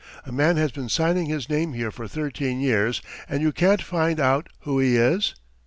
A man has been signing his name here for thirteen years and you can't find out who he is.